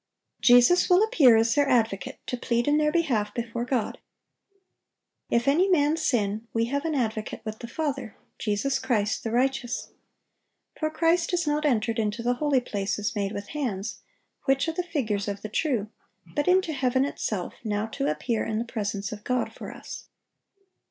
Jesus will appear as their advocate, to plead in their behalf before God. "If any man sin, we have an advocate with the Father, Jesus Christ the righteous."(853) "For Christ is not entered into the holy places made with hands, which are the figures of the true; but into heaven itself, now to appear in the presence of God for us."